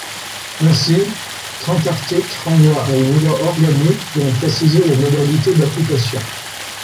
Ainsi, trente articles renvoient à une loi organique pour en préciser les modalités d'application.